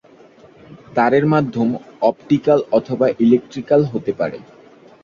তারের মাধ্যম অপটিক্যাল অথবা ইলেকট্রিক্যাল হতে পারে।